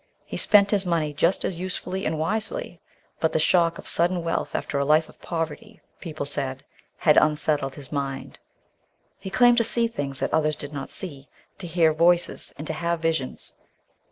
He spent his money just as usefully and wisely, but the shock of sudden wealth after a life of poverty, people said, had unsettled his mind. He claimed to see things that others did not see, to hear voices, and to have visions.